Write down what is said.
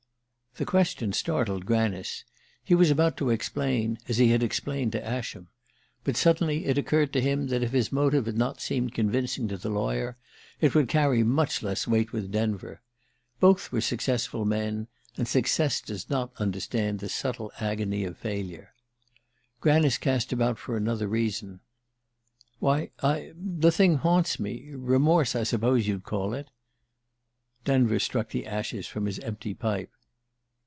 The question startled Granice. He was about to explain, as he had explained to Ascham; but suddenly it occurred to him that if his motive had not seemed convincing to the lawyer it would carry much less weight with Denver. Both were successful men, and success does not understand the subtle agony of failure. Granice cast about for another reason. "Why, I the thing haunts me ... remorse, I suppose you'd call it..." Denver struck the ashes from his empty pipe.